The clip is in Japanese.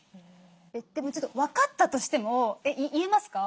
でも分かったとしても言えますか？